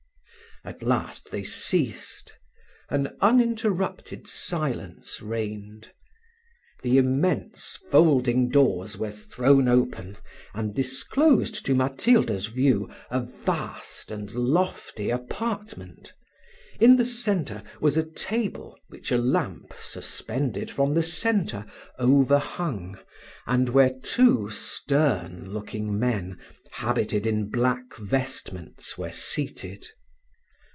At last they ceased an uninterrupted silence reigned: the immense folding doors were thrown open, and disclosed to Matilda's view a vast and lofty apartment. In the centre, was a table, which a lamp, suspended from the centre, overhung, and where two stern looking men, habited in black vestments, were seated.